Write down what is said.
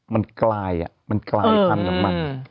มันกลายอ่ะมันกลายทั้งกันมัน